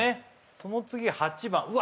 その次８番うわ